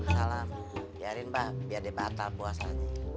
salam biarin mbak biar debat aku asal